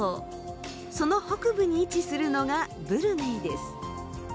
その北部に位置するのがブルネイです。